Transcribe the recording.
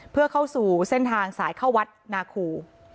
เพื่อเข้าสู่เส้นทางสายเข้าวัดนาคู